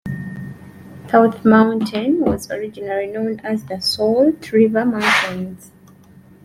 South Mountain was originally known as the Salt River Mountains.